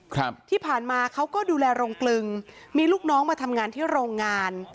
ครับที่ผ่านมาเขาก็ดูแลโรงกลึงมีลูกน้องมาทำงานที่โรงงาน